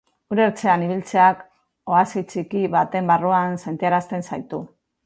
Ur ertzean ibiltzeak oasi txiki baten barruan sentiarazten zaitu.